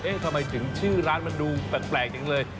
ทำไมถึงชื่อร้านมันดูแปลกจังเลย